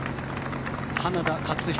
花田勝彦